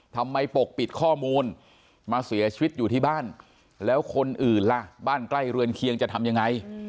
ปกปิดข้อมูลมาเสียชีวิตอยู่ที่บ้านแล้วคนอื่นล่ะบ้านใกล้เรือนเคียงจะทำยังไง